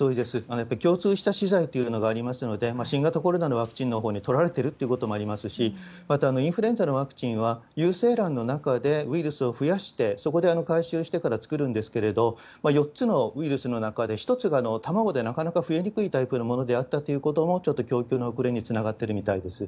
やっぱり共通した資材っていうのがありますので、新型コロナのワクチンのほうに取られてるってこともありますし、またインフルエンザのワクチンは有精卵の中でウイルスを増やして、そこで回収してから作るんですけれども、４つのウイルスの中で、１つが卵でなかなか増えにくいタイプのものであったということも、ちょっと供給の遅れにつながってるみたいです。